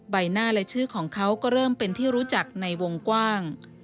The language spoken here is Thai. ใบหน้าและชื่อของเขาก็เริ่มเป็นที่รู้จักในวงกว้าง